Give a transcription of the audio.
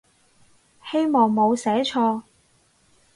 希望冇寫錯